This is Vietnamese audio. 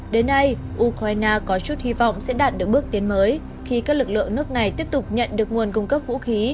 đến nay ukraine có chút hy vọng sẽ đạt được bước tiến mới khi các lực lượng nước này tiếp tục nhận được nguồn cung cấp vũ khí